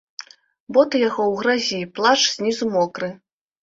Боты яго ў гразі, плашч знізу мокры.